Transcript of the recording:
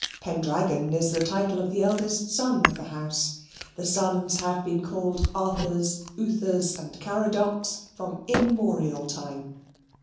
Pendragon is the title of the eldest son of the house. The sons have been called Arthurs, Uthers, and Caradocs, from immemorial time.